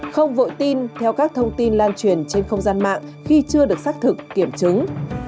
không vội tin theo các thông tin lan truyền trên không gian mạng khi chưa được xác thực kiểm chứng